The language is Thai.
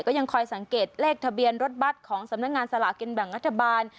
ก็ยังคอยสังเกตเลขทะเบียนรถบัตรของสำนักงานสลากินแบ่งรัฐบาล